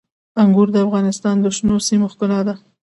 انګور د افغانستان د شنو سیمو ښکلا ده.